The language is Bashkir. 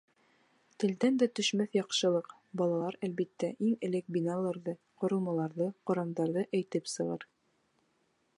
Телдән дә төшмәҫ яҡшылыҡ — Балалар, әлбиттә, иң элек биналарҙы, ҡоролмаларҙы, ҡорамдарҙы әйтеп сығыр.